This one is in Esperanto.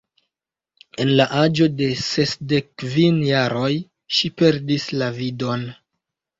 En la aĝo de sesdek kvin jaroj ŝi perdis la vidon.